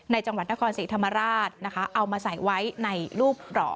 จังหวัดนครศรีธรรมราชนะคะเอามาใส่ไว้ในรูปหล่อ